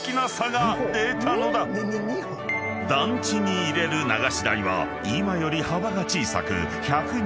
［団地に入れる流し台は今より幅が小さく１２０ｃｍ］